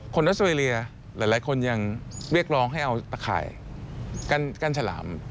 ออสเวรียหลายคนยังเรียกร้องให้เอาตะข่ายกั้นฉลาม